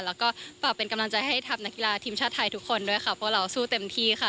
แล้วก็ฝากเป็นกำลังใจให้ทัพนักกีฬาทีมชาติไทยทุกคนด้วยค่ะพวกเราสู้เต็มที่ค่ะ